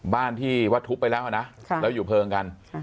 บ้านที่ว่าทุบไปแล้วนะแล้วอยู่เพลิงกัน